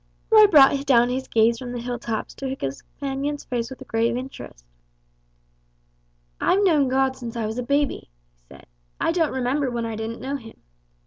Roy brought down his gaze from the hilltops to his companion's face with grave interest. "I've known God since I was a baby," he said. "I don't remember when I didn't know Him.